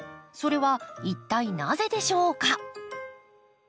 それは一体なぜでしょうか？